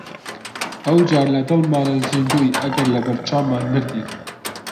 ئەو جار لە دڵمانا زیندووی ئەگەر لەبەر چاومان مردی!